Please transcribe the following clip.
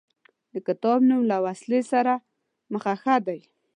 د کتاب نوم له وسلې سره مخه ښه دی.